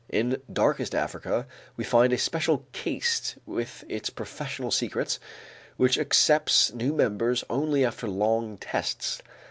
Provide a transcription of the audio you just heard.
In darkest Africa, we find a special caste with its professional secrets which accepts new members only after long tests.